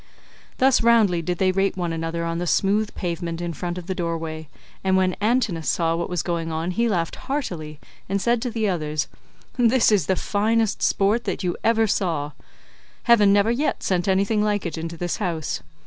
Thus roundly did they rate one another on the smooth pavement in front of the doorway,149 and when Antinous saw what was going on he laughed heartily and said to the others, "This is the finest sport that you ever saw; heaven never yet sent anything like it into this house.